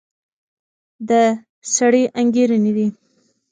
د سړي انګېرنې دي.